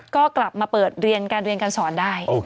ก็กลับมาเปิดเรียนการสอนได้